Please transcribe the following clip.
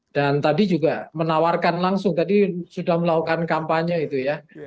dan tadi juga menawarkan langsung tadi sudah melakukan kampanye itu ya